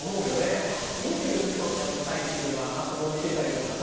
２４時間はやんなさいっていうのがあってもめてたりとかさ。